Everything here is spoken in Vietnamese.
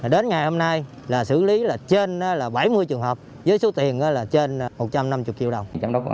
đến ngày hôm nay xử lý trên bảy mươi trường hợp với số tiền trên một trăm năm mươi triệu đồng